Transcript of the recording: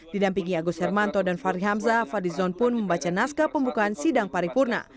di dampingi agus hermanto dan fadli hamzah fadlizon pun membaca naskah pembukaan sidang paripurna